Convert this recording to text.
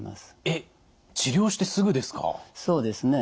えっ治療してすぐですか？